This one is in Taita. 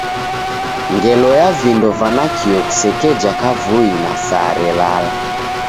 Ngelo ya vindo va nakio kusekeja kavui na saa relala.